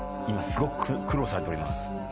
今すごく苦労されております。